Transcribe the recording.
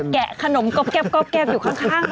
แกะขนมก๊อบอยู่ข้างเรานะ